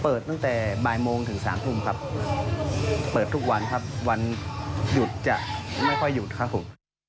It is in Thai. ตั้งแต่บ่ายโมงถึง๓ทุ่มครับเปิดทุกวันครับวันหยุดจะไม่ค่อยหยุดครับผม